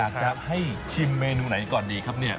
จะให้ชิมเมนูไหนก่อนดีครับเนี่ย